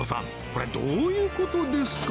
これどういうことですか？